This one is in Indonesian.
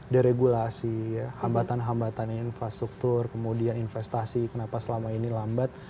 deregulasi hambatan hambatan infrastruktur kemudian investasi kenapa selama ini lambat